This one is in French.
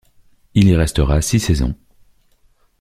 Il y restera six saisons.